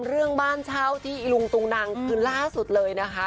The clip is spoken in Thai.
เรื่องบ้านเช่าที่อีลุงตุงนังคือล่าสุดเลยนะคะ